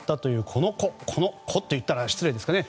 この子と言ったら失礼ですかね。